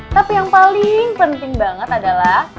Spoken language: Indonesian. tapi yang paling penting banget adalah